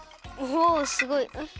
おすごい。